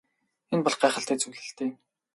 Энэ бол гайхалтай зүйл л дээ.